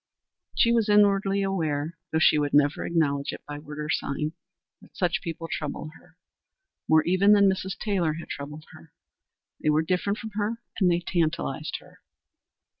She was inwardly aware, though she would never acknowledge it by word or sign, that such people troubled her. More even than Mrs. Taylor had troubled her. They were different from her and they tantalized her.